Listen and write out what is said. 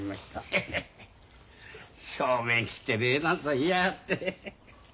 ヘヘヘ正面切って礼なんざ言いやがって。